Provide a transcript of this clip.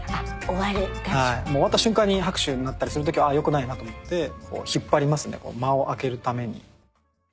終わった瞬間に拍手鳴ったりするときはよくないなと思って引っ張りますね間を空けるために。